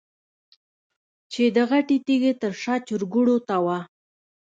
چې د غټې تيږې تر شا چرګوړو ته وه.